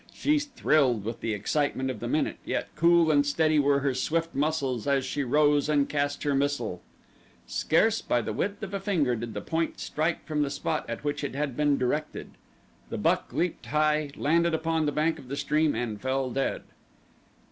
She thrilled with the excitement of the minute, yet cool and steady were her swift muscles as she rose and cast her missile. Scarce by the width of a finger did the point strike from the spot at which it had been directed. The buck leaped high, landed upon the bank of the stream, and fell dead.